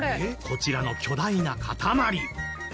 こちらの巨大な塊。